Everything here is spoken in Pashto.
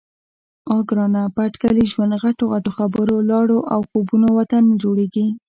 _اه ګرانه! په اټکلي ژوند، غټو غټو خبرو، لاړو او خوبونو وطن نه جوړېږي.